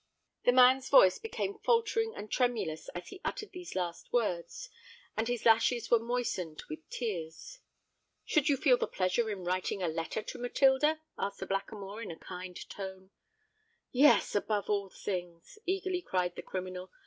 The man's voice became faltering and tremulous as he uttered these last words; and his lashes were moistened with tears. "Should you feel pleasure in writing a letter to Matilda?" asked the Blackamoor, in a kind tone. "Yes—above all things!" eagerly cried the criminal.